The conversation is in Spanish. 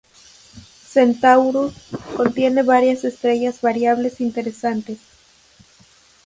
Centaurus contiene varias estrellas variables interesantes.